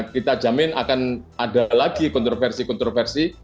kita jamin akan ada lagi kontroversi kontroversi